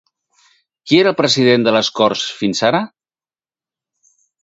Qui era el president de les Corts fins ara?